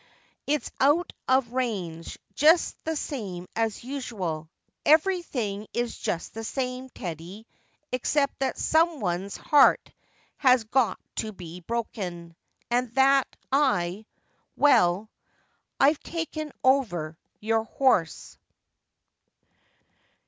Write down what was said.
It's out of range, just the same as usual. Everything is just the same, Teddy, except that someone's heart has got to be broken, and that I — well, I've taken over your horse.